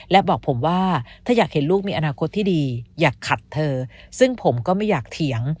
และบอกผมว่าถ้าอยากเห็นลูกมีอนาคตที่ดีอยากขัดเธอซึ่งผมก็ไม่อยากเถียง